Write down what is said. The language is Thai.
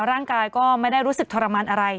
ร่างกายก็ไม่ได้รู้สึกทรมานอะไร